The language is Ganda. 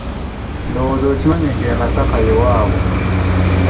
Ndowooza okimanyi ng'e Masaka y'ewabwe?